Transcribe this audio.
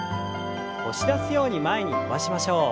押し出すように前に伸ばしましょう。